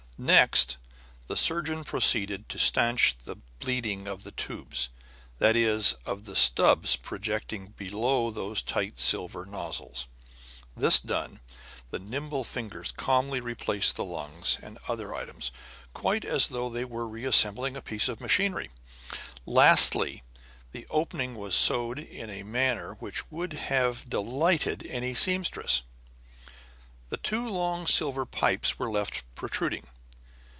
Next, the surgeon proceeded to stanch the bleeding of the tubes; that is, of the stubs projecting below those tight silver nozzles. This done, the nimble fingers calmly replaced the lungs and other items, quite as though they were reassembling a piece of machinery. Lastly, the opening was sewed up in a manner which would have delighted any seamstress. The two long silver pipes were left protruding.